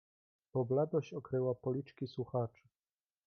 "Bo bladość okryła policzki słuchaczy."